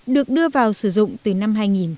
được đưa vào sử dụng từ năm hai nghìn bảy mươi sáu